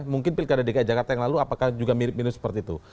mungkin pilkada dki jakarta yang lalu apakah juga mirip mirip seperti itu